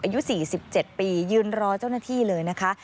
อายุ๔๗ปียืนรอเจ้าหน้าที่เลยนะคะ